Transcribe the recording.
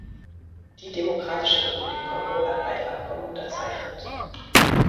Die Demokratische Republik Kongo hat beide Abkommen unterzeichnet.